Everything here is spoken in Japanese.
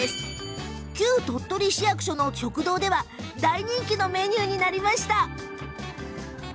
旧鳥取市役所の食堂では大人気のメニューになりました。